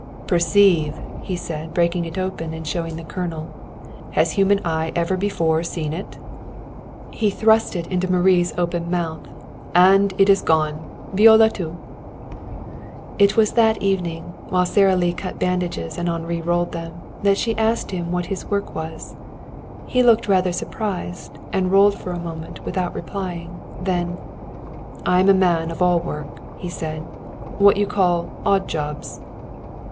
"Perceive!" he said, breaking it open and showing the kernel. "Has human eye ever before seen it?" He thrust it into Marie's open mouth. "And it is gone! Voilà tout!" It was that evening, while Sara Lee cut bandages and Henri rolled them, that she asked him what his work was. He looked rather surprised, and rolled for a moment without replying. Then: "I am a man of all work," he said. "What you call odd jobs."